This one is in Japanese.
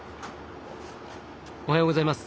おはようございます。